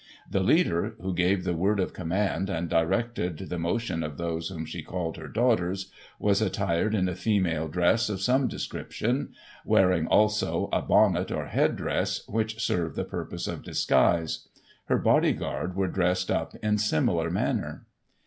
The leader, who gave the word of command, and directed the motion of those whom she called her daughters, was attired in a female dress of some description, wearing, also, a bonnet, or head dress, which served the pur pose of disguise. Her bodyguard were dressed up in similar manner.